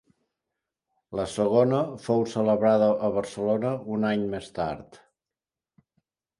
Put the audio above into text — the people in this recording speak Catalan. La segona fou celebrada a Barcelona un any més tard.